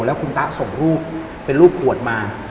แล้วคุณตะส่งรูปเป็นรูปขวดมา